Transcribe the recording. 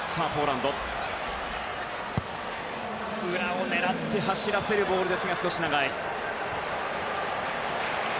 裏を狙って走らせるボールでしたが、少し長い。